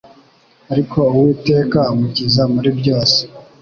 Ariko Uwiteka amukiza muri byose